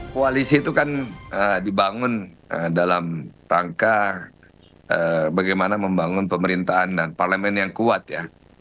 koalisi itu kan dibangun dalam tangka bagaimana membangun pemerintahan dan parlemen yang kuat ya